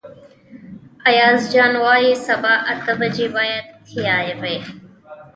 ایاز جان وايي سبا اته بجې باید تیار وئ.